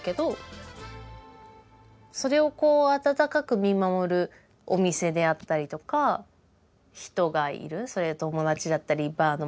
それをこう温かく見守るお店であったりとか人がいるそれは友達だったりバーのマスターだったり。